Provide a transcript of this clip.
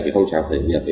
cái phong trào khởi nghiệp